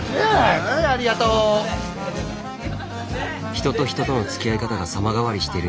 人と人とのつきあい方が様変わりしてる